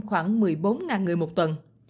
khoảng một mươi bốn người một tuần